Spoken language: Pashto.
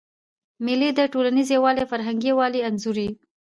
مېلې د ټولنیز یووالي او فرهنګي یووالي انځور يي.